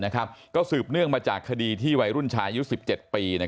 ก็สืบเนื่องมาจากคดีที่วัยรุ่นชายอายุ๑๗ปี